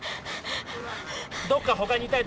どっか他に痛い